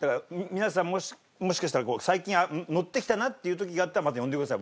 皆さんもしかしたらこう最近ノッてきたなっていう時があったらまた呼んでください。